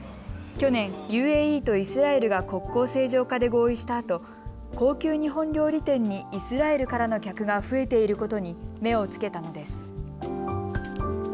去年、ＵＡＥとイスラエルが国交正常化で合意したあと高級日本料理店にイスラエルからの客が増えていることに目をつけたのです。